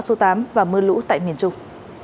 chỉ đạo ứng phó báo số tám và môn lũ tại miền trung